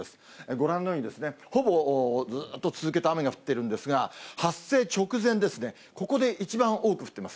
ご覧のように、ほぼずっと続けて雨が降ってるんですが、発生直前ですね、ここで一番多く降ってます。